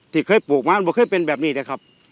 ที่เคยปลูกมามันบอกเคยเป็นแบบนี้เลยครับ